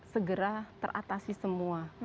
segera teratasi semua